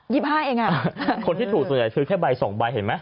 เองอ่ะคนที่ถูกส่วนใหญ่ซื้อแค่ใบสองใบเห็นไหม